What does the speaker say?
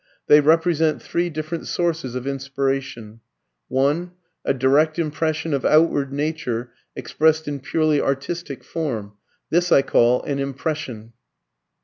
They represent three different sources of inspiration: (1) A direct impression of outward nature, expressed in purely artistic form. This I call an "Impression."